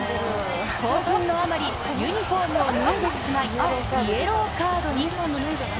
興奮のあまりユニフォームを脱いでしまいイエローカードに。